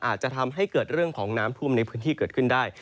อาจจะทำให้เกิดเรื่องของน้ำท่วมในพื้นที่เกิดขึ้นได้